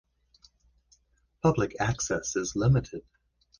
Public access is limited.